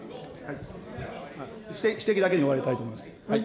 指摘だけに終わりたいと思います。